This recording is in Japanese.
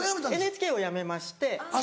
ＮＨＫを辞めまして。